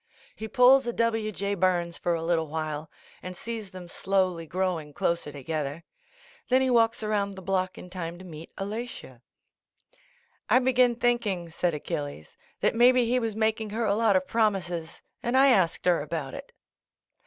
He pulls a W. J. Burns for a little while and sees them slowly growing closer to gether. Then he walks around the block in time to meet Alatia. "I begin, thinking," said Achilles, "that may be he was making her a lot of promises and I asked her about it."